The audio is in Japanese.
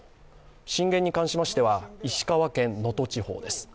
震源に関しましては石川県能登地方です。